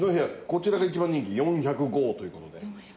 こちらが一番人気４００号という事で。